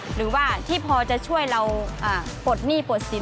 หรือว่าที่พอจะช่วยเราปลดหนี้ปลดสิน